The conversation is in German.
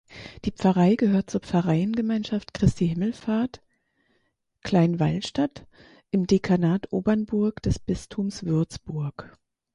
Die Pfarrei gehört zur Pfarreiengemeinschaft Christi Himmelfahrt (Kleinwallstadt) im Dekanat Obernburg des Bistums Würzburg.